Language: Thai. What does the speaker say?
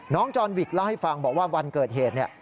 จอนวิกเล่าให้ฟังบอกว่าวันเกิดเหตุเนี่ย